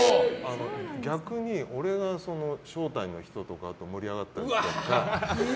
逆に、俺が招待の人とかと盛り上がったりしたりとか。